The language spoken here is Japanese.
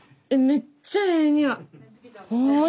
めっちゃええにおい！